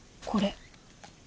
これ。